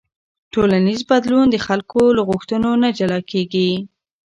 ټولنیز بدلون د خلکو له غوښتنو نه جلا نه کېږي.